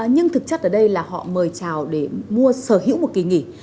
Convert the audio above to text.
nhưng thực chất ở đây là họ mời chào để mua sở hữu một kỳ nghỉ